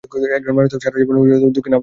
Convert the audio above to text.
একজন মানুষ তো সারা জীবন দুঃখী থাকতে পারে না।